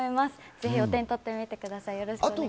ぜひお手にとってみてください。